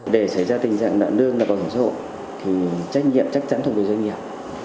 để xảy ra tình trạng nợ nương nợ bảo hiểm xã hội thì trách nhiệm chắc chắn thuộc về doanh nghiệp